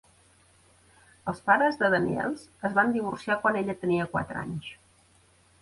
Els pares de Daniels es van divorciar quan ella tenia quatre anys.